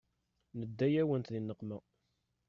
Nedda-yawent di nneqma.